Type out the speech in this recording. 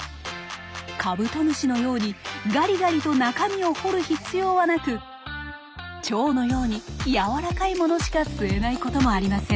カブトムシのようにガリガリと中身を掘る必要はなくチョウのようにやわらかいものしか吸えないこともありません。